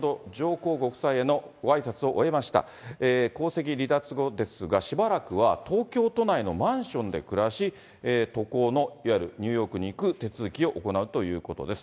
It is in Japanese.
皇籍離脱後ですが、しばらくは東京都内のマンションで暮らし、渡航の、いわゆるニューヨークに行く手続きを行うということです。